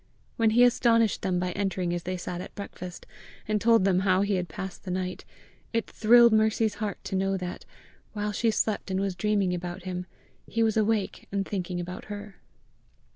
When he astonished them by entering as they sat at breakfast, and told them how he had passed the night, it thrilled Mercy's heart to know that, while she slept and was dreaming about him, he was awake and thinking about her.